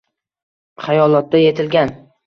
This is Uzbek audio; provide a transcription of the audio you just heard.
Xayolotda yetilgan.